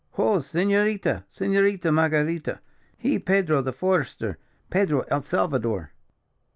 "Ho! senorita, senorita Marguerita; he, Pedro the Forester, Pedro el Salvador!"